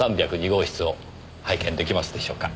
１３０２号室を拝見できますでしょうか。